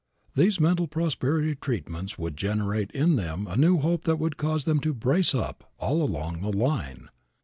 These mental prosperity treatments would generate in them a new hope that would cause them to brace up all along the line.